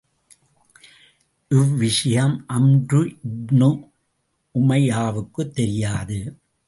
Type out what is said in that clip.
இவ்விஷயம் அம்ருஇப்னு உமையாவுக்குத் தெரியாது.